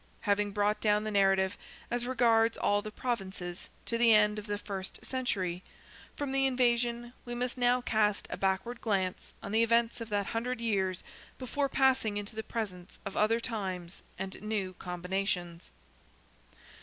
Having brought down the narrative, as regards all the provinces, to the end of the first century, from the invasion, we must now cast a backward glance on the events of that hundred years before passing into the presence of other times and new combinations.